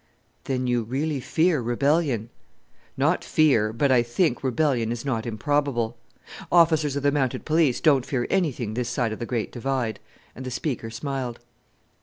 "Then you really fear rebellion?" "Not fear, but I think rebellion is not improbable. Officers of the mounted police don't fear anything this side of the Great Divide," and the speaker smiled.